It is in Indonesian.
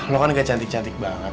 lo kan gak cantik cantik banget